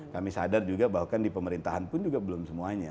kami sadar juga bahwa kan di pemerintahan pun juga belum semuanya